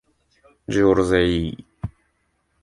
銃を下ろせ。